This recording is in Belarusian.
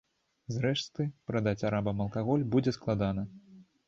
Зрэшты, прадаць арабам алкаголь будзе складана.